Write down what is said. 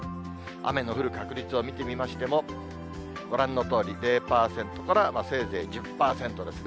雨の降る確率を見てみましても、ご覧のとおり、０％から、せいぜい１０％ですね。